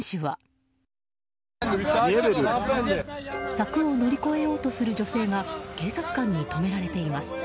柵を乗り越えようとする女性が警察官に止められています。